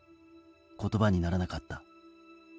言葉にならなかった。